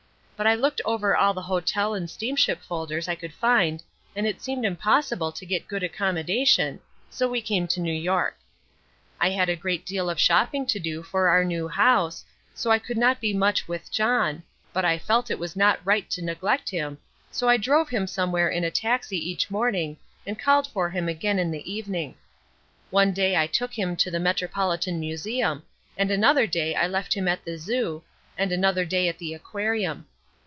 But I looked over all the hotel and steamship folders I could find and it seemed impossible to get good accommodation, so we came to New York. I had a great deal of shopping to do for our new house, so I could not be much with John, but I felt it was not right to neglect him, so I drove him somewhere in a taxi each morning and called for him again in the evening. One day I took him to the Metropolitan Museum, and another day I left him at the Zoo, and another day at the aquarium.